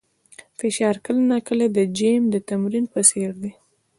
فشار کله ناکله د جیم د تمرین په څېر دی.